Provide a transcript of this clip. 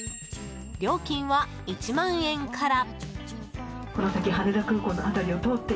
料金は１万円から。